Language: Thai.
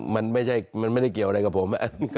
มันไม่ได้เกี่ยวอะไรกับผม